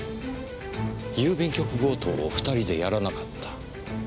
郵便局強盗を２人でやらなかった。